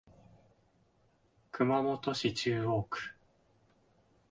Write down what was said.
熊本市中央区